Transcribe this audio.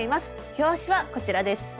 表紙はこちらです。